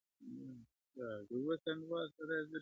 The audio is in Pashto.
اوس چي ستا نوم اخلمه~